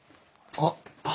あっ！